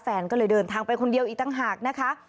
แฟนก็เลยเดินทางไปคนเดียวอีกต่างหากนะคะ